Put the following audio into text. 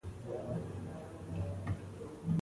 په لاره کې به د راجپوتانو څخه مرستې ترلاسه کړي.